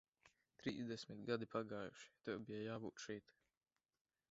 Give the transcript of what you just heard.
Trīsdesmit gadi pagājuši, tev bija jābūt šeit.